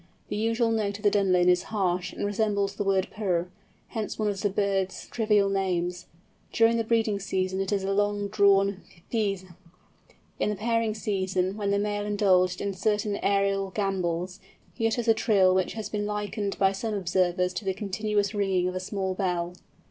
The usual note of the Dunlin is harsh, and resembles the word purr—hence one of the bird's trivial names; during the breeding season it is a long drawn peezh. In the pairing season, when the male indulges in certain aerial gambols, he utters a trill, which has been likened by some observers to the continuous ringing of a small bell.